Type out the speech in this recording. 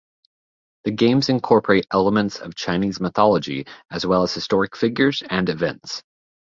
The games incorporate elements of Chinese mythology as well as historic figures and events.